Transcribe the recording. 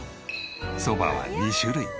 そばは２種類。